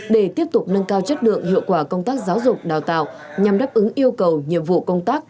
để tiếp tục nâng cao chất lượng hiệu quả công tác giáo dục đào tạo nhằm đáp ứng yêu cầu nhiệm vụ công tác